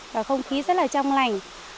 và không khí rất là trong lành